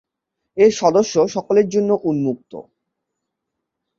এর সদস্য সকলের জন্যে উন্মুক্ত।